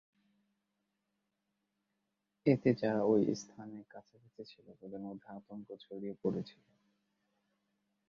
এতে যারা ঐ স্থানের কাছাকাছি ছিল তাদের মধ্যে আতঙ্ক ছড়িয়ে পড়েছিল।